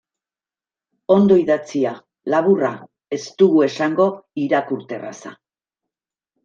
Ondo idatzia, laburra, ez dugu esango irakurterraza.